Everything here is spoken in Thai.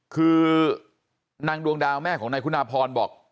คือนางดวงดาวแม่ของนายคุณาพรบอก